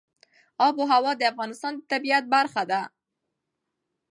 آب وهوا د افغانستان د طبیعت برخه ده.